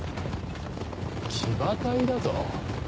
騎馬隊だと？